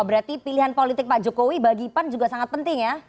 berarti pilihan politik pak jokowi bagi pan juga sangat penting ya